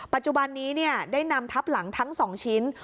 ปัจจุบันนี้ได้นำทับหลังทั้ง๒ชิ้น